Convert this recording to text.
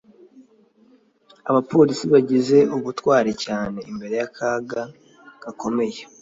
abapolisi bagize ubutwari cyane imbere y'akaga gakomeye